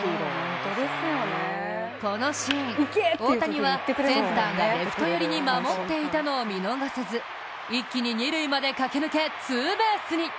このシーン、大谷はセンターがレフト寄りに守っていたのを見逃さず一気に二塁まで駆け抜けツーベースに。